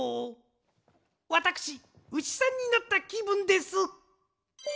わたくしうしさんになったきぶんです。